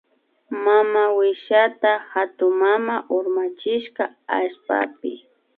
Mamawishita hatunmama urmachishka allpapi